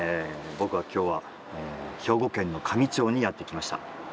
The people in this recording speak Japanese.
僕は今日は兵庫県の香美町にやって来ました。